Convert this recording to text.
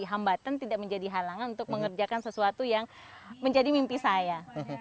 hambatan tidak menjadi halangan untuk mengerjakan sesuatu yang menjadi mimpi saya